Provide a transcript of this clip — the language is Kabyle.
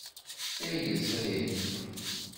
Ay ẓid!